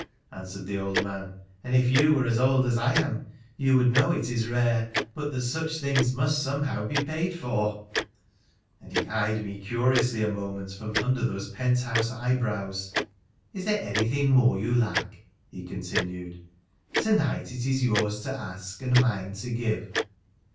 ' answered the old man, ' and if you were as old as I am, you would know it is rare, but that such things must, somehow, be paid for,' and he eyed me curiously a moment from under those penthouse eyebrows. ' Is there anything more you lack ?' he continued. ' To night it is yours to ask, and mine to give.'